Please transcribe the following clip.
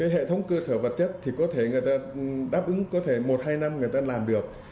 hệ thống cơ sở vật chất đáp ứng có thể một hai năm người ta làm được